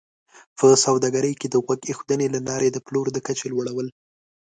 په سوداګرۍ کې د غوږ ایښودنې له لارې د پلور د کچې لوړول